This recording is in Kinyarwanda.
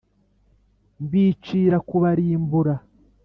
Mbicira kubarimbura.